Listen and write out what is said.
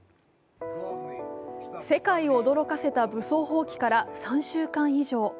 世界を驚かせた武装蜂起から３週間以上。